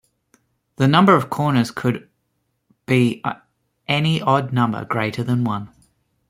The number of corners could be any odd number greater than one.